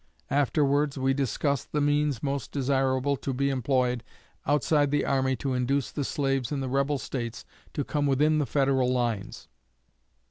Afterwards we discussed the means most desirable to be employed outside the army to induce the slaves in the rebel States to come within the Federal lines.